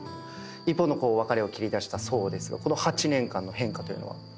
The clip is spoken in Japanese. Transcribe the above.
一方の別れを切り出した想ですがこの８年間の変化というのは？